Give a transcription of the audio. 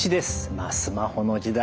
まあスマホの時代